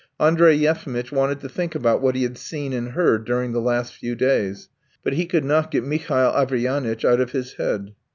Andrey Yefimitch wanted to think about what he had seen and heard during the last few days, but he could not get Mihail Averyanitch out of his head.